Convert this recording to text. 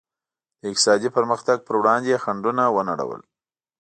د اقتصادي پرمختګ پر وړاندې یې خنډونه ونړول.